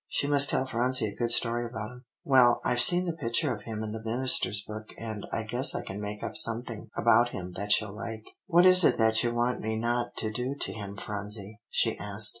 She must tell Phronsie a good story about him. "Well, I've seen the picture of him in the minister's book, and I guess I can make up something about him that she'll like. "What is it that you want me not to do to him, Phronsie?" she asked.